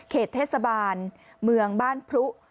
เทศบาลเมืองบ้านพลุ